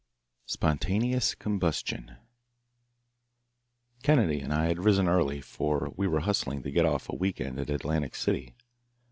"Spontaneous Combustion" Kennedy and I had risen early, for we were hustling to get off for a week end at Atlantic City.